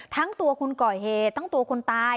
ทั้งตัวคนก่อเหตุทั้งตัวคนตาย